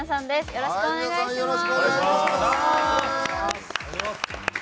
よろしくお願いします。